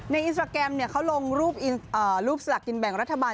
อินสตราแกรมเขาลงรูปสลักกินแบ่งรัฐบาล